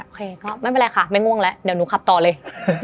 โอเคก็ไม่เป็นไรค่ะไม่ง่วงแล้วเดี๋ยวหนูขับต่อเลย